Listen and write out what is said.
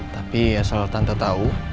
tapi asal tante tahu